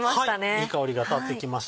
いい香りが立ってきました。